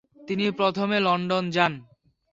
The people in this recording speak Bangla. তিনি প্রথমে লন্ডনে যান।